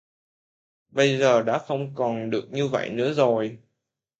Bây giờ đã không còn được như vậy nữa rồi